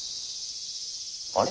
あれ？